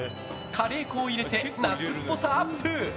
カレー粉を入れて夏っぽさアップ！